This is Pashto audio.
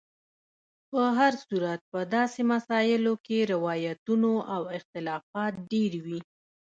په هر صورت په داسې مسایلو کې روایتونو او اختلافات ډېر وي.